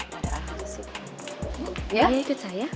paham ya ikut saya